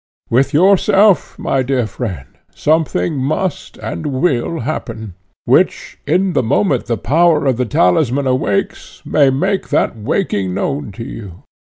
With yourself, my dear friend, something must, and will, happen, which in the moment the power of the talisman awakes, may make that waking known to you.